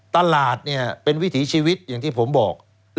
ตลาดเนี่ยเป็นวิถีชีวิตอย่างที่ผมบอก